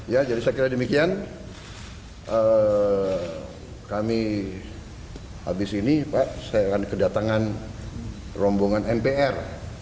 ya jadi saya kira demikian kami habis ini pak saya akan kedatangan rombongan mpr